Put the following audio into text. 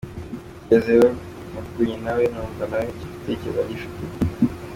Tugezeyo navuganye nawe numva nawe icyo gitekerezo aragifite.